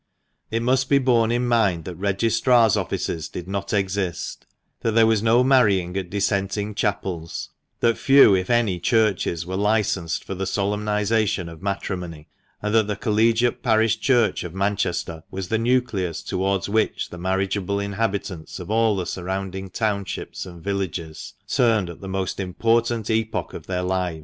It must be borne in mind that registrars' offices did not exist ; that there was no marrying at dissenting chapels ; that few, if any, churches were licensed for the solemnisation of matrimony ; and that the collegiate parish church of Manchester was the nucleus towards which the marriageable inhabitants of all the surrounding townships and villages turned at the most important epoch of their lives.